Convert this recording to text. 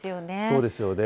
そうですよね。